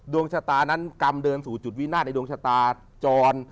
ดวงชะตานั้นกรรมเดินสู่จุดวินาศในดวงชะตาจร